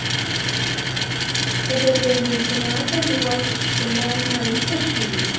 د ګرځندوی صنعت د هیواد ښکلا نړۍ ته ښيي.